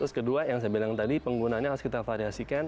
terus kedua yang saya bilang tadi penggunaannya harus kita variasikan